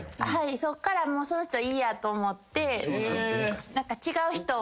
そっからもうその人いいやと思って。